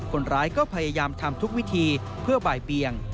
คนร้ายก็พยายามทำทุกวิธีเพื่อบ่ายเบียง